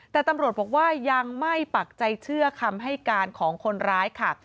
แต่ตำรวจบอกว่ายังไม่ปักใจเชื่อคำให้การของคนร้ายค่ะ